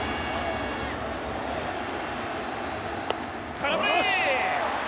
空振り！